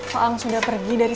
pak ang sudah pergi dari sini